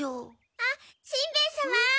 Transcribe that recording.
あっしんべヱ様！